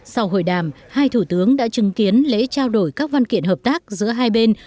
sau hội đàm hai thủ tướng đã chứng kiến lễ trao đổi các văn kiện hợp tác giữa hai bên